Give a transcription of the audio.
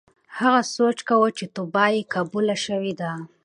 هغه سوچ کاوه چې توبه یې قبوله شوې ده.